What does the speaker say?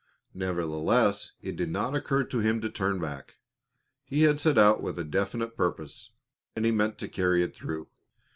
Nevertheless, it did not occur to him to turn back. He had set out with a definite purpose, and he meant to carry it through.